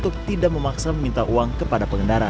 untuk tidak memaksa meminta uang kepada pengendara